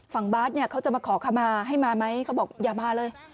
ฝั่งบาสเขาจะมาขอคำมาให้มาไหมเขาบอกอย่ามาเลย